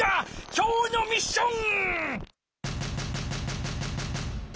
今日のミッション！